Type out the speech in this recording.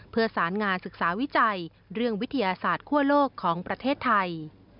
เพื่อสารงานศึกษาวิจัยเรื่องวิทยาศาสตร์คั่วโลกของประเทศไทย